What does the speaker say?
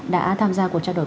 đã tham gia cuộc trao đổi